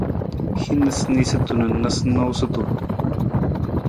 Hin niisaniisatu na noosunoosutu.